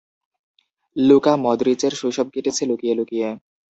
Luka মদরিচের শৈশব কেটেছে লুকিয়ে লুকিয়ে।